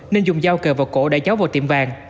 nên dùng dao kề vào cổ để cháu vào tiệm vàng